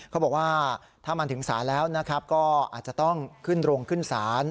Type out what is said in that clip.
เขาบอกว่าถ้ามันถึงศาลแล้วนะครับก็อาจจะต้องขึ้นโรงขึ้นศาล